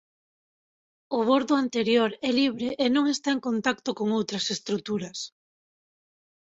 O bordo anterior é libre e non está en contacto con outras estruturas.